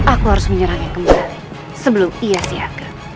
aku harus menyerangnya kembali sebelum ia siaga